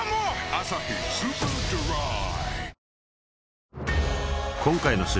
「アサヒスーパードライ」